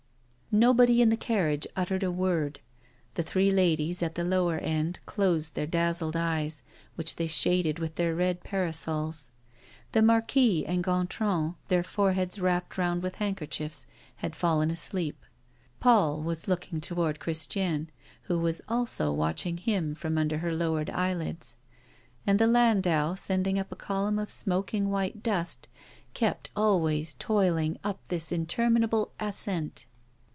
Nobody in the carriage uttered a word. The three ladies, at the lower end, closed their dazzled eyes, which they shaded with their red parasols. The Marquis and Gontran, their foreheads wrapped round with handkerchiefs, had fallen asleep. Paul was looking toward Christiane, who was also watching him from under her lowered eyelids. And the landau, sending up a column of smoking white dust, kept always toiling up this interminable ascent.